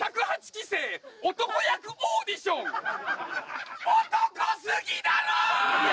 期生男役オーディション男すぎだろ！